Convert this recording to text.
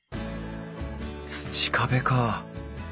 土壁か。